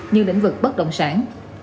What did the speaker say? như lĩnh vực bất động sản